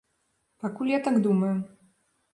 Пакуль я так думаю.